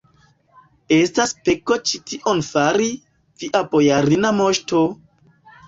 estas peko ĉi tion fari, via bojarina moŝto!